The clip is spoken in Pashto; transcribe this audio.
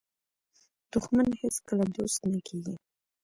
دښمن هیڅکله دوست نه کېږي